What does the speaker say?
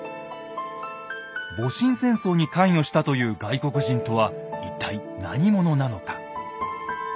戊辰戦争に関与したという外国人とは一体何者なのか。